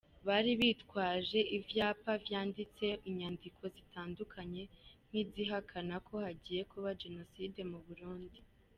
Bari bitwaje ivyapa vyanditseko inyandiko zitandukanye, nk’izihakana ko hagiye kuba genocide mu Burundi.